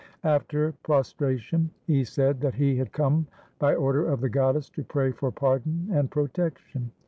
After prostration he said that he had come by order of the goddess to pray for pardon and protection.